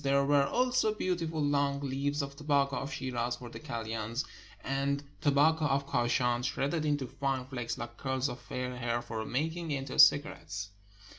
There were also beautiful long leaves of tobacco of Shiraz for the kalyans, and tobacco of Kachan, shredded into fine flakes Uke curls of fair hair, for mak ing into cigarettes.